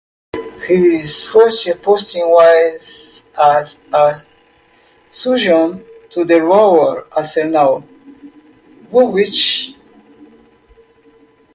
His first posting was as a surgeon to the Royal Arsenal, Woolwich.